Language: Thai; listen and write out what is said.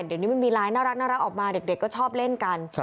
เดี๋ยวนี้มันมีไลน์น่ารักออกมาเด็กก็ชอบเล่นกัน